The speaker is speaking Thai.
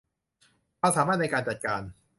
ความสามารถในการจัดการ